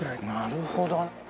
なるほど。